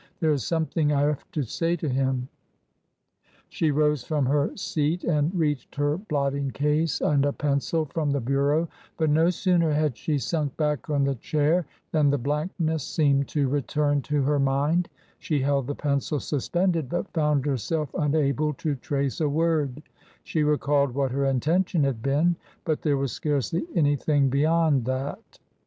There is something I have to say to him." She rose from her seat and reached her blotting case and a pencil from the bureau ; but no sooner had she sunk back on the chair than the blankness seemed to return to her mind ; she held the pencil suspended but found herself unable to trace a word ; she recalled what her intention had been, but there was scarcely anything beyond that.